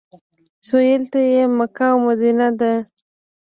سویل ته یې مکه او مدینه ده.